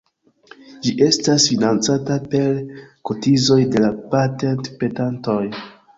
Ĝi estas financata per kotizoj de la patent-petantoj.